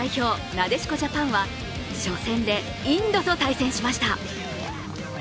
・なでしこジャパンは初戦でインドと対戦しました。